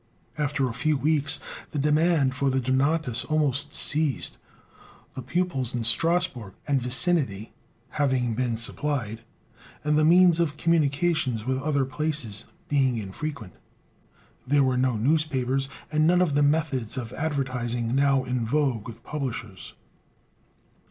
After a few weeks the demand for the "Donatus" almost ceased, the pupils in Strasbourg and vicinity having been supplied, and the means of communication with other places being infrequent. There were no newspapers, and none of the methods of advertising now in vogue with publishers.